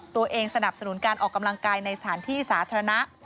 สนับสนุนการออกกำลังกายในสถานที่สาธารณะ